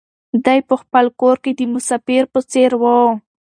دی په خپل کور کې د مسافر په څېر و.